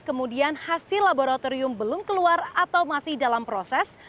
kemudian hasil laboratorium belum keluar atau masih dalam proses